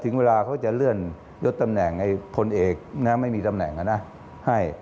ถึงเวลาเขาจะเลื่อนยดตำแหน่งไอ้คนเอกนะครับไม่มีตำแหน่งแล้วนะให้